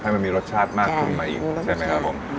มันมีรสชาติมากขึ้นมาอีกใช่ไหมครับผม